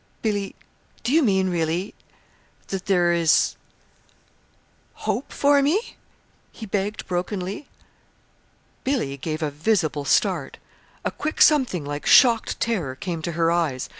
"Billy, do you mean, really, that there is hope for me?" he begged brokenly. Billy gave a visible start. A quick something like shocked terror came to her eyes.